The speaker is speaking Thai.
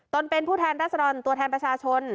ตนเป็นผู้แทนดังสรรค์ตัวแทนประชาชน